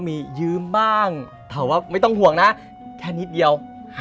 มียืมบ้างถามว่าไม่ต้องห่วงนะแค่นิดเดียว